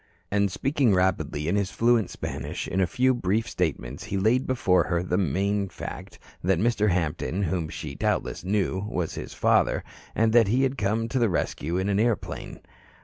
And speaking rapidly in his fluent Spanish, in a few brief statements, he laid before her the main fact that Mr. Hampton, whom she doubtless knew, was his father, and that he had come to the rescue in an airplane.